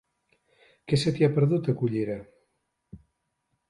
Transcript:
Què se t'hi ha perdut, a Cullera?